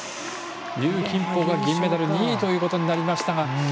龍金宝が銀メダル２位ということになりましたが。